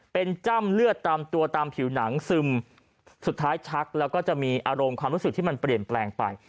เป็นจ้ำเลือดตามตัวตามผิวหนังซึมสุดท้ายชักแล้วก็จะมีอารมณ์ความรู้สึกที่มันเปลี่ยนแปลงไป